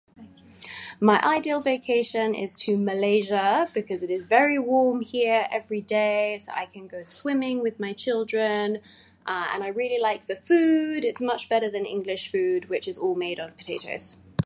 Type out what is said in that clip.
My ideal vacation is to Malaysia because it is very warm here every day. So i can go swimming with my children. And I really like the food which is much better than English food which is all made of potatoes.